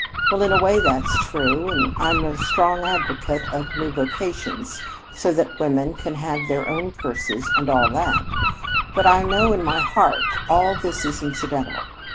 Well, in a way, that's true, and I'm a strong advocate of new vocations, so that women can have their own purses and all that. But I know in my heart all this is incidental.